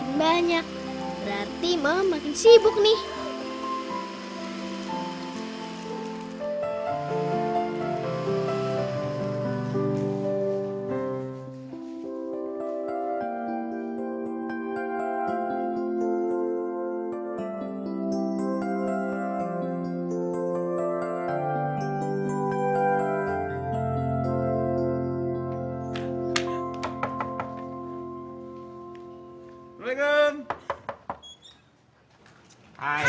iya tapi enakan hari biasa ya pah